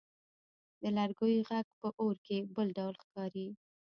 د لرګیو ږغ په اور کې بل ډول ښکاري.